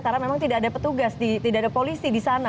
karena memang tidak ada petugas tidak ada polisi di sana